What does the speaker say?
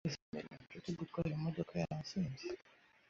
Inshuti ntizemere inshuti gutwara imodoka yasinze.